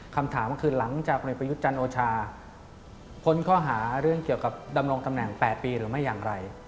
คำถามก็คือหลังจากผลิตประยุทธ์จันทร์โอชาพ้นข้อหาเรื่องเกี่ยวกับดำรงตำแหน่ง๘ปีหรือไม่อย่างไร